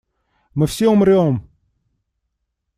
Мы все умрём!